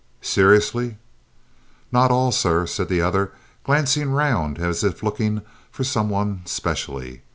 "Seriously?" "Not all, sir," said the other, glancing round as if looking for some one specially.